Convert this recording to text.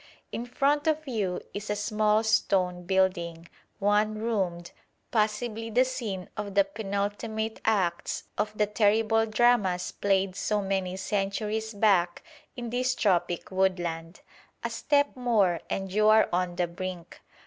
In front of you is a small stone building, one roomed, possibly the scene of the penultimate acts of the terrible dramas played so many centuries back in this tropic woodland. A step more and you are on the brink!